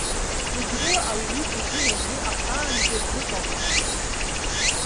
Зегь рыла ауаҩы игәы наӡо ахаангьы дзыҟалом.